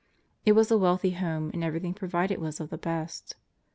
It was a wealthy home, and everything provided was of the best.